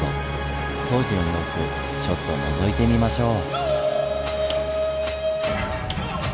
当時の様子ちょっとのぞいてみましょう。